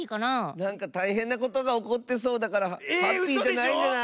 なんかたいへんなことがおこってそうだからハッピーじゃないんじゃない？